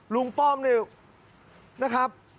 ลุงป้อมนี่นะครับ